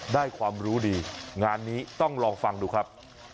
ได้ความรู้ดีงานนี้ต้องลองฟังดูครับ